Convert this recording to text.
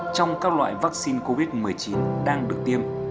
trong các loại vaccine covid một mươi chín đang được tiêm